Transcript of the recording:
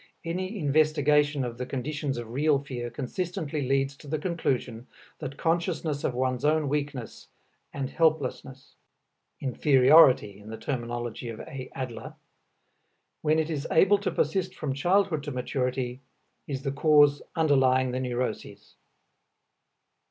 Any investigation of the conditions of real fear consistently leads to the conclusion that consciousness of one's own weakness and helplessness inferiority, in the terminology of A. Adler when it is able to persist from childhood to maturity, is the cause underlying the neuroses.